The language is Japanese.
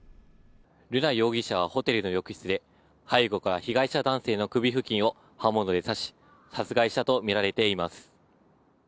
瑠奈容疑者はホテルの浴室で、背後から被害者男性の首付近を刃物で刺し、殺害したと見られています。